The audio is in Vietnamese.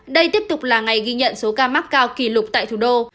đây tiếp tục là ngày ghi nhận số ca mắc cao kỷ lục tại thủ đô